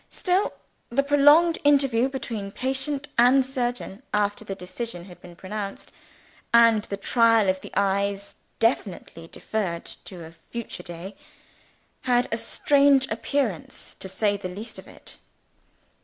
Still, the prolonged interview between patient and surgeon after the decision had been pronounced and the trial of the eyes definitely deferred to a future day had a strange appearance, to say the least of it.